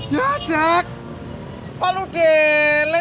ya cek paludel